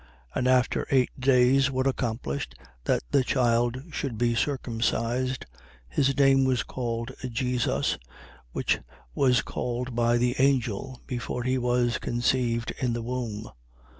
2:21. And after eight days were accomplished, that the child should be circumcised, his name was called JESUS, which was called by the angel before he was conceived in the womb.